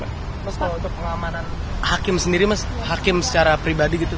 terus kalau untuk pengamanan hakim sendiri mas hakim secara pribadi gitu